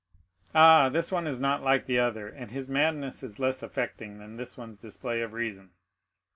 "Ah, this one is not like the other, and his madness is less affecting than this one's display of reason."